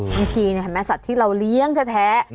บางทีเนี่ยศัตริย์ที่เราเลี้ยงแท้